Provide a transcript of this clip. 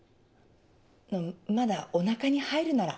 あのまだおなかに入るなら。